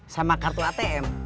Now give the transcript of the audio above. sama kartu atm